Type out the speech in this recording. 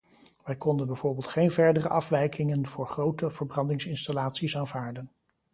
Wij konden bijvoorbeeld geen verdere afwijkingen voor grote verbrandingsinstallaties aanvaarden.